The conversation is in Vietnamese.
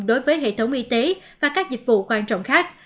đối với hệ thống y tế và các dịch vụ quan trọng khác